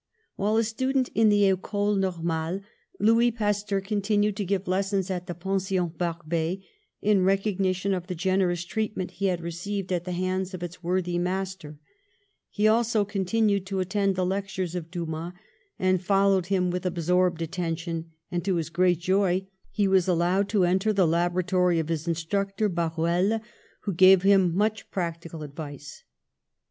While a student in the Ecole Normale Louis Pasteur continued to give lessons at the Pen sion Barbet, in recognition of the generous treatment he had received at the hands of its worthy master ; he also continued to attend the lectures of Dumas and followed him with ab sorbed attention, and to his great joy he was allowed to enter the laboratory of his instruc tor Barruel, who gave him much practical ad vice.